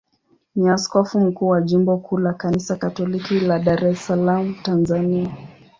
ni askofu mkuu wa jimbo kuu la Kanisa Katoliki la Dar es Salaam, Tanzania.